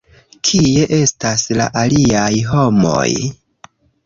Kie estas la aliaj homoj?